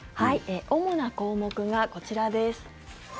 主な項目がこちらです。